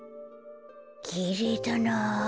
きれいだなあ。